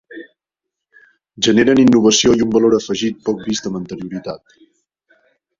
Generen innovació i un valor afegit poc vist amb anterioritat.